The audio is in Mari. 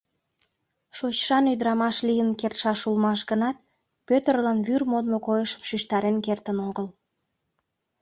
Шочшан ӱдырамаш лийын кертшаш улмаш гынат, Пӧтырлан вӱр модмо койышым шижтарен кертын огыл.